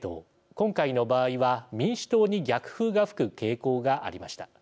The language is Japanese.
今回の場合は民主党に逆風が吹く傾向がありました。